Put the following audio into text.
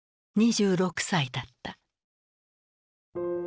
２６歳だった。